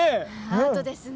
アートですね。